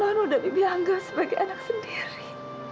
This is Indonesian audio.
non udah bibi anggap sebagai anak sendiri